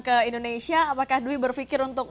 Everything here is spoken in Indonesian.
ke indonesia apakah dwi berpikir untuk